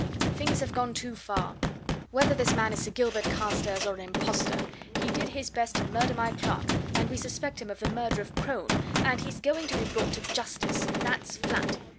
Things have gone too far. Whether this man's Sir Gilbert Carstairs or an impostor, he did his best to murder my clerk, and we suspect him of the murder of Crone, and he's going to be brought to justice that's flat!